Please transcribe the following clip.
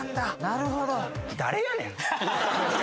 なるほど。